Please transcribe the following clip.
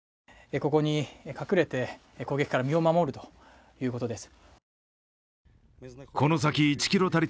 ここに隠れて攻撃から身を守るということです。